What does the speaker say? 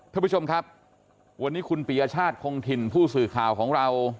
ท่านผู้ชมครับวันนี้คุณปียชาติคงถิ่นผู้สื่อข่าวของเรา